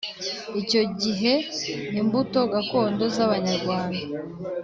Icyo gihe imbuto gakondo z’Abanyarwanda